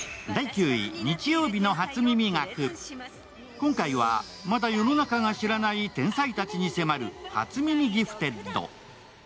今回は、まだ世の中が知らない天才たちに迫る初耳ギフテッド。